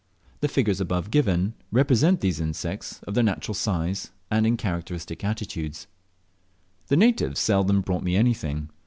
The figures above given represent these insects of their natural size and in characteristic attitudes. The natives seldom brought me anything.